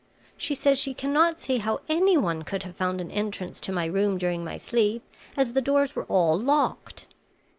She says she cannot see how any one could have found an entrance to my room during my sleep, as the doors were all locked.